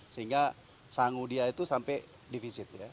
sehingga sangu dia itu sampai di visit ya